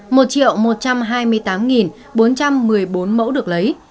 một một trăm hai mươi tám bốn trăm một mươi bốn mẫu được lấy